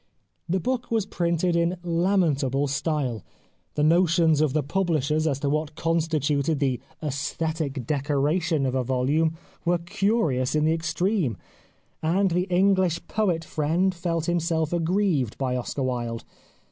The book was printed in lamentable style ; the notions of the publishers as to what constituted the " aesthetic decoration " of a volume were curious in the extreme ; and the English poet friend felt him self aggrieved by Oscar Wilde.